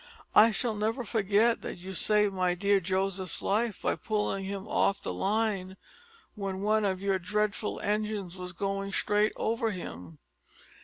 "I shall never forget that you saved my dear Joseph's life by pulling him off the line when one of your dreadful engines was going straight over him.